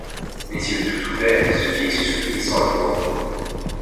Mes yeux tout ouverts se fixent sur lui sans le voir.